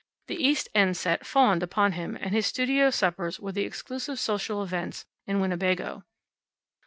The East End set fawned upon him, and his studio suppers were the exclusive social events in Winnebago.